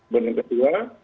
dan yang kedua